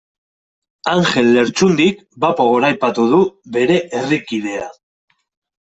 Anjel Lertxundik bapo goraipatu du bere herrikidea.